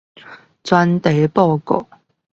專題報告